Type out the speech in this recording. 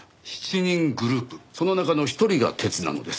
その中の１人が鉄なのです。